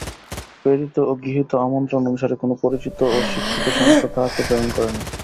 প্রেরিত ও গৃহীত আমন্ত্রণ অনুসারে কোন পরিচিত ও স্বীকৃত সংস্থা তাঁহাকে প্রেরণ করে নাই।